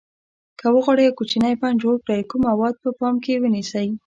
که وغواړئ یو کوچنی بڼ جوړ کړئ کوم موارد په پام کې ونیسئ.